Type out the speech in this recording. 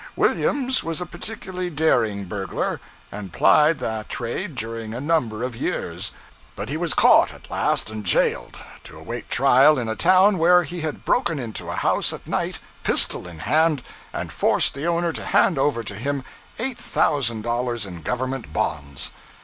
Williams was a particularly daring burglar, and plied that trade during a number of years; but he was caught at last and jailed, to await trial in a town where he had broken into a house at night, pistol in hand, and forced the owner to hand over to him $8,000 in government bonds.